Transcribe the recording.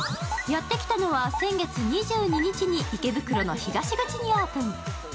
やってきたのは先月２２日に池袋の東口にオープン。